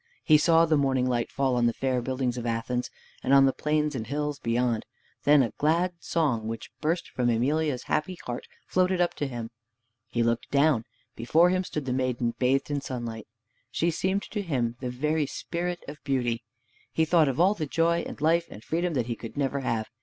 He saw the morning light fall on the fair buildings of Athens, and on the plains and hills beyond. Then a glad song which burst from Emelia's happy heart floated up to him. He looked down. Before him stood the maiden bathed in sunlight. She seemed to him the very Spirit of Beauty. He thought of all the joy and life and freedom that he could never have.